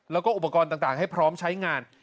แล้วก็อุปกรณ์ต่างให้พร้อมใช้งาน